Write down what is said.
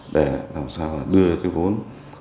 để làm sao đưa cái vốn